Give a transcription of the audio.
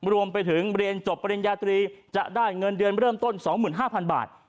รวมไปถึงเรียนจบปริญญาตรีจะได้เงินเดือนเริ่มต้น๒๕๐๐๐บาท